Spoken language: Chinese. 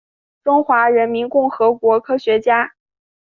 中华人民共和国科学家。